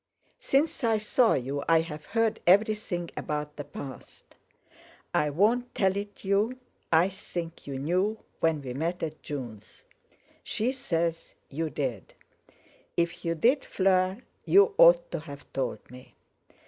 "Since I saw you I've heard everything about the past. I won't tell it you—I think you knew when we met at June's. She says you did. If you did, Fleur, you ought to have told me.